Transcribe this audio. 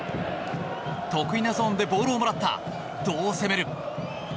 得意なゾーンでボールをもらったどう攻める？